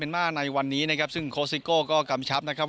เมนม่าในวันนี้นะครับซึ่งโคสิโก้ก็กำชัพนะครับว่า